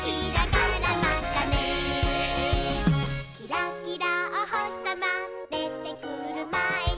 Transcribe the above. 「キラキラおほしさまでてくるまえに」